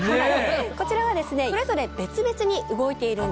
こちらはですねそれぞれ別々に動いているんです。